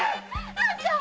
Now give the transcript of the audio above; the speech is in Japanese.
あんたっ！